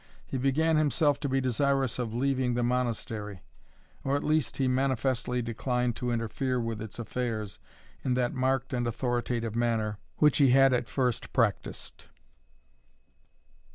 He began himself to be desirous of leaving the Monastery, or at least he manifestly declined to interfere with its affairs, in that marked and authoritative manner, which he had at first practised.